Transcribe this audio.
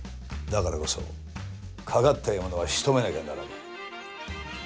だからこそ、かかった獲物はしとめなきゃならない。